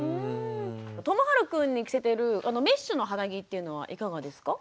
ともはるくんに着せてるメッシュの肌着っていうのはいかがですか？